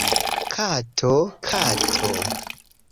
Kato! Kato!